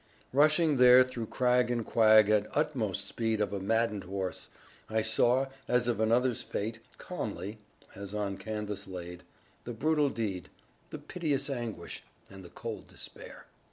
Rushing there through crag and quag at utmost speed of a maddened horse, I saw, as of another's fate, calmly (as on canvas laid), the brutal deed, the piteous anguish, and the cold despair.